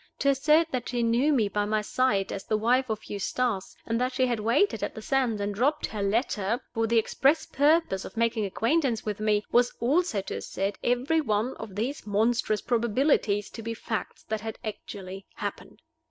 To assert that she knew me by sight as the wife of Eustace, and that she had waited on the sands and dropped her letter for the express purpose of making acquaintance with me, was also to assert every one of these monstrous probabilities to be facts that had actually happened!